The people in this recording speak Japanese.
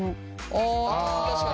ああ確かに。